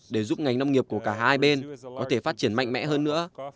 để giúp ngành nông nghiệp của cả hai bên có thể phát triển mạnh mẽ hơn nữa